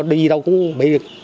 đi đâu cũng bị cấp thiết chứ